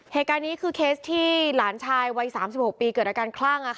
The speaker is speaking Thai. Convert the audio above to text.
เหตุการณ์นี้คือเคสที่หลานชายวัย๓๖ปีเกิดอาการคลั่ง